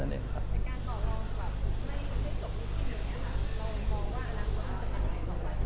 ในการต่อรองกว่าไม่ได้จบที่สิ้นอย่างนี้ค่ะเรามองว่าอนาคตจะเป็นยังไงต่อไป